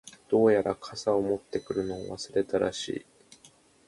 •どうやら、傘を持ってくるのを忘れたらしい。